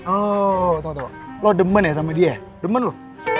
oh lo demen ya sama dia demen lo